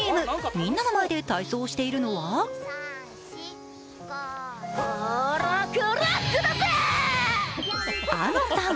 みんなの前で体操しているのはあのさん。